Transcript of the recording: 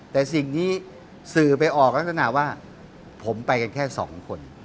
แต่สิ่งนี้สื่อไปออกลักษณะว่าผมไปกันแค่สองคน